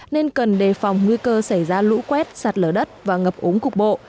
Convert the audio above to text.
nên cần đề phòng nguy cơ xảy ra lũ quét sạt lở đất và ngập ống cục bộ